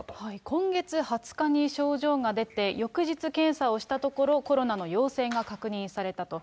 今月２０日に症状が出て、翌日検査をしたところ、コロナの陽性が確認されたと。